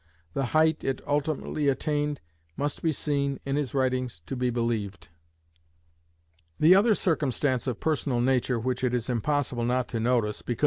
The height it ultimately attained must be seen, in his writings, to be believed. The other circumstance of a personal nature which it is impossible not to notice, because M.